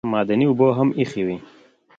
معدني اوبه هم ایښې وې.